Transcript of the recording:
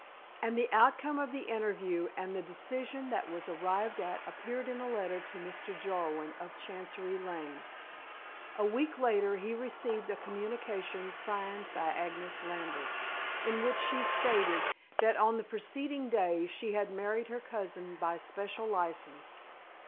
And the outcome of the interview and of the decision that was arrived at appeared in a letter to Mr. Jarwin, of Chancery Lane. A week later he received a communication signed by Agnes Lambert, in which she stated that on the preceding day she had married her cousin by special license.